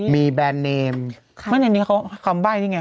มีแบรนด์เนมไม่ในนี้เขาคำใบ้นี่ไง